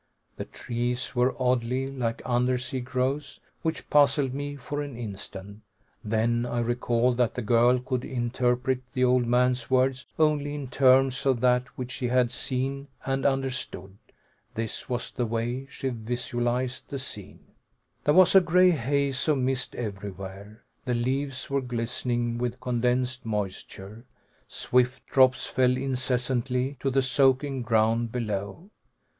The trees were oddly like undersea growths, which puzzled me for an instant. Then I recalled that the girl could interpret the old man's words only in terms of that which she had seen and understood. This was the way she visualized the scene. There was a gray haze of mist everywhere. The leaves were glistening with condensed moisture; swift drops fell incessantly to the soaking ground below.